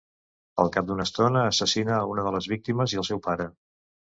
Al cap d'una estona, assassina a una de les víctimes i al seu pare.